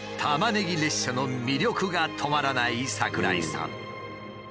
タマネギ列車の魅力が止まらない櫻井さん。